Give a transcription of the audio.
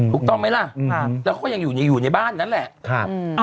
ถูกต้องไหมล่ะแล้วเขาก็ยังอยู่ในอยู่ในบ้านนั่นแหละ